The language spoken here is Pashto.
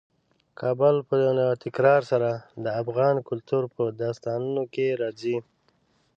کابل په تکرار سره د افغان کلتور په داستانونو کې راځي.